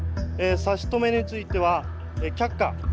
差し止めについては却下。